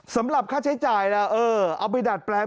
สำหรับค่าใช้จ่ายล่ะเออเอาไปดัดแปลง